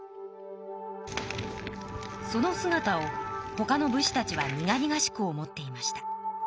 そのすがたをほかの武士たちは苦々しく思っていました。